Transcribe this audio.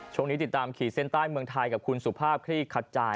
ช่วงนี้ติดตามขี่เซ็นใต้เมืองไทยกับคุณสุภาพครีคัดจ่าย